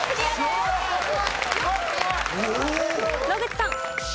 野口さん。